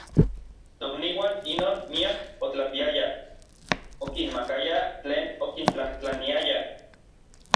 Tokniuan inon miak otlapiayaj, okimakayaj tlen okintlajtlaniaya.